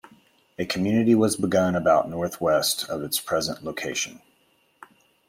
A community was begun about northwest of its present location.